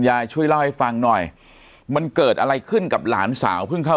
ยายช่วยเล่าให้ฟังหน่อยมันเกิดอะไรขึ้นกับหลานสาวเพิ่งเข้า